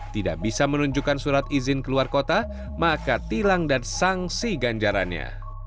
tidak bisa menunjukkan surat izin keluar kota maka tilang dan sanksi ganjarannya